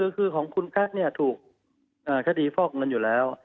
คือของคุณแพทย์ถูกคดีฟอกเงินอยู่แล้ว